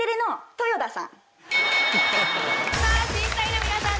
審査員の皆さん